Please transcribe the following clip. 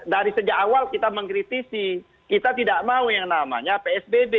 dari sejak awal kita mengkritisi kita tidak mau yang namanya psbb